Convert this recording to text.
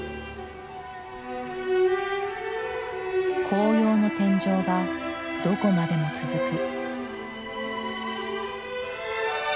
紅葉の天井がどこまでも続く。